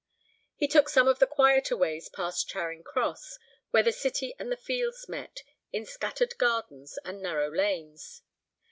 He took some of the quieter ways past Charing Cross, where the city and the fields met in scattered gardens and narrow lanes.